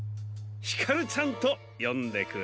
ひかるちゃんとよんでくれ。